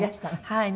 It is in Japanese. はい。